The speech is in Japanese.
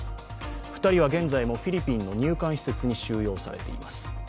２人は現在もフィリピンの入管施設に収容されています。